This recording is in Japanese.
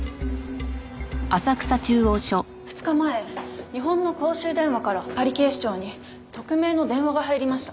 ２日前日本の公衆電話からパリ警視庁に匿名の電話が入りました。